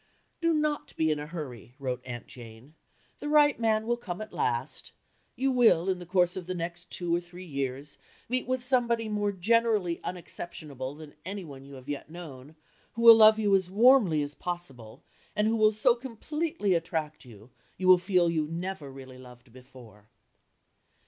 "Do not be in a hurry," wrote Aunt Jane, "the right man will come at last; you will in the course of the next two or three years meet with somebody more generally unexceptionable than anyone you have yet known, who will love you as warmly as possible, and who will so completely attract you that you will feel you never really loved before."